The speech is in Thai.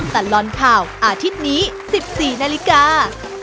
ตลอดข่าวอาทิตย์นี้๑๔นาฬิกา